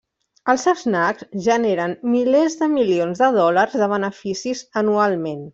Els snacks generen milers de milions de dòlars de beneficis anualment.